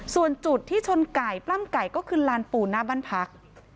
ส่วนจุดที่ชนไก่ปล้ำไก่ก็คือลานปูนหน้าบ้านพัก